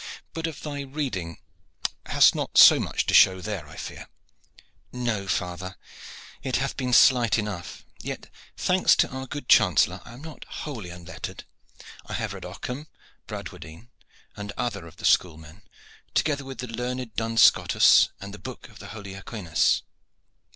But of thy reading hast not so much to show there, I fear?" "No, father, it hath been slight enough. Yet, thanks to our good chancellor, I am not wholly unlettered. I have read Ockham, Bradwardine, and other of the schoolmen, together with the learned Duns Scotus and the book of the holy Aquinas."